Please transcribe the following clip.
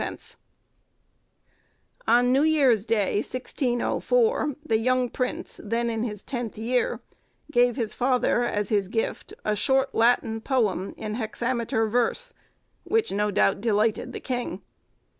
_ On New Year's Day, 1604, the young prince, then in his tenth year, gave his father as his gift, a short Latin poem, in hexameter verse, which no doubt delighted the king.